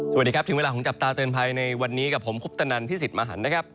สวัสดีครับถึงเวลาของจับตาเตือนภัยในวันนี้กับผมคุปตนันพี่สิทธิ์มหันนะครับ